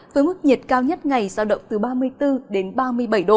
với mức nhiệt cao nhất ngày giao động từ ba mươi bốn đến ba mươi bảy độ